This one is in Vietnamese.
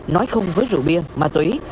nói không với rượu bia ma túy